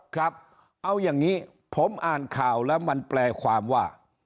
ครับเอาอย่างนี้ผมอ่านข่าวแล้วมันแปลความว่า